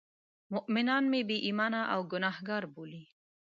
مومنان مې بې ایمانه او ګناه کار بولي.